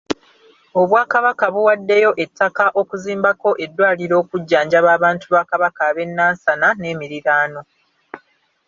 Obwakabaka buwaddeyo ettaka okuzimbako eddwaliro okujjanjaba abantu ba Kabaka abe Nansana n’emiriraano.